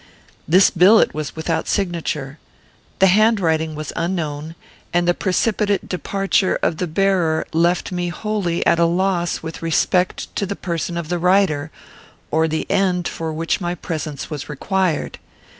_" This billet was without signature. The handwriting was unknown, and the precipitate departure of the bearer left me wholly at a loss with respect to the person of the writer, or the end for which my presence was required.